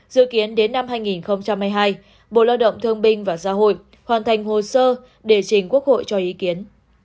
dự kiến đến năm hai nghìn hai mươi hai bộ lao động thương binh và xã hội hoàn thành hồ sơ để trình quốc hội cho ý kiến